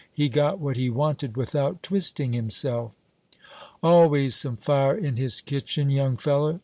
He got what he wanted without twisting himself." "Always some fire in his kitchen, young fellow.